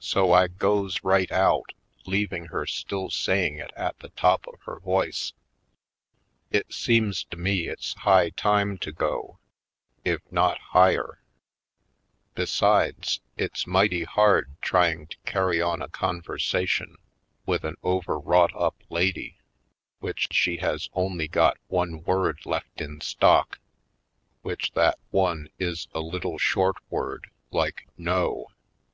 So I goes right out, leaving her still say ing it at the top of her voice. It seems to Sable Plots 223 me it's high time to go, if not higher. Be sides, it's mighty hard trying to carry on a conversation with an overwrought up lady which she has only got one word left in stock, which that one is a little short word like "No."